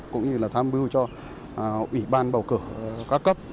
cũng như là tham mưu cho ủy ban bầu cử các cấp